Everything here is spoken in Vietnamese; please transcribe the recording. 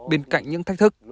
bên cạnh những thách thức